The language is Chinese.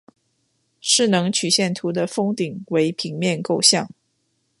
势能曲线图的峰顶为平面构象。